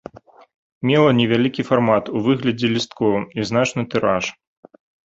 Мела невялікі фармат у выглядзе лісткоў і значны тыраж.